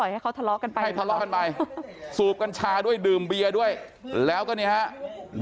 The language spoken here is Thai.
ให้ทะเลาะกันไปสูบกันชาด้วยดื่มเบียด้วยแล้วก็นี่ครับ